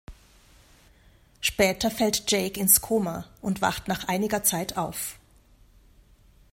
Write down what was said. Später fällt Jake ins Koma und wacht nach einiger Zeit auf.